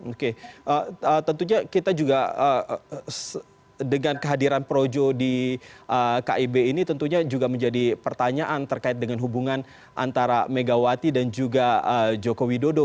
oke tentunya kita juga dengan kehadiran projo di kib ini tentunya juga menjadi pertanyaan terkait dengan hubungan antara megawati dan juga joko widodo